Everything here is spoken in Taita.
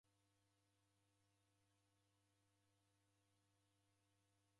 Rangi ra bendera ya Kenya ni riao?